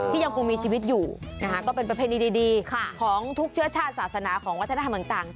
ยังคงมีชีวิตอยู่นะคะก็เป็นประเพณีดีของทุกเชื้อชาติศาสนาของวัฒนธรรมต่าง